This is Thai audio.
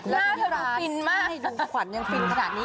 ปลาร้าที่ไม่ให้ยูมขวัญยังฟินขนาดนี้